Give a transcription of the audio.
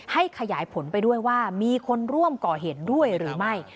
ขยายผลไปด้วยว่ามีคนร่วมก่อเหตุด้วยหรือไม่